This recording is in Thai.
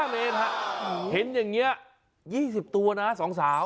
๕เมตรเห็นอย่างนี้๒๐ตัวนะ๒สาว